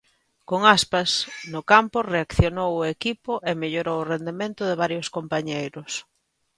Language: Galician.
Con Aspas no campo reaccionou o equipo e mellorou o rendemento de varios compañeiros.